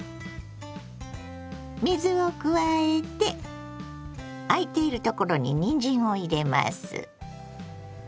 水を加えて空いている所ににんじんを入れます。